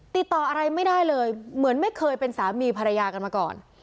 ติดต่ออะไรไม่ได้เลยเหมือนไม่เคยเป็นสามีภรรยากันมาก่อน